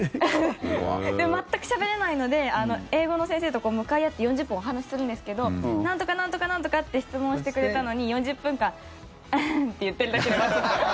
でも全くしゃべれないので英語の先生と向かい合って４０分お話するんですけどなんとかなんとかなんとかって質問してくれたのに４０分間うんって言ってるだけです。